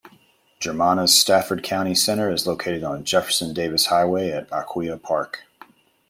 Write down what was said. Germanna's Stafford County Center is located on Jefferson Davis Hwy at Aquia Park.